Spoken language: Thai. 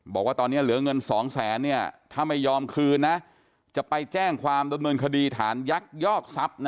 บอกว่าตอนนี้เหลือเงิน๒แสนเนี่ยถ้าไม่ยอมคืนนะจะไปแจ้งความดำเนินคดีฐานยักยอกทรัพย์นะ